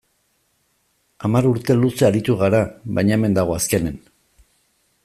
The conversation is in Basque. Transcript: Hamar urte luze aritu g ara, baina hemen dago azkenean.